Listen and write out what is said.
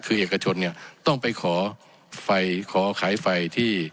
คือเอกชนเนี่ยต้องไปขอไฟขอขายไฟที่